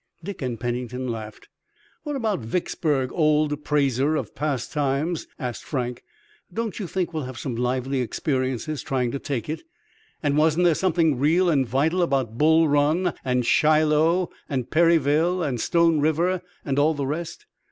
Dick and Pennington laughed. "What about Vicksburg, old praiser of past times?" asked Frank. "Don't you think we'll have some lively experiences trying to take it? And wasn't there something real and vital about Bull Run and Shiloh and Perryville and Stone River and all the rest?